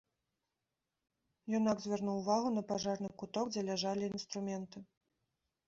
Юнак звярнуў увагу на пажарны куток, дзе ляжалі інструменты.